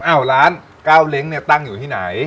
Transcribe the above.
อ้าวร้านเก้าเล้งตั้งอยู่ที่ไหน